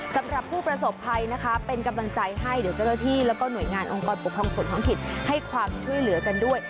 สำหรับผู้ประสบภัยนะคะเป็นกำลังใจให้เดี๋ยวเจ้าหน้าที่แล้วก็หน่วยงานองค์กรปกครองส่วนท้องถิ่นให้ความช่วยเหลือกันด้วย